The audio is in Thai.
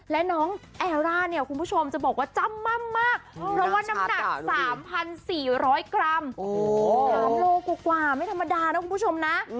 และน้องแอร่าเนี่ยคุณผู้ชมจะบอกว่าจ้ำม่ำมากเพราะว่าน้ำหนัก๓๔๐๐กรัม๓โลกว่าไม่ธรรมดานะคุณผู้ชมนะ